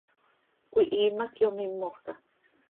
Cöihiim hac yomímojca.